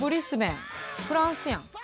フランスやん。